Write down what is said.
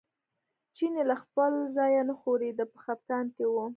چینی له خپل ځایه نه ښورېده په خپګان کې و.